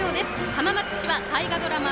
浜松市は大河ドラマ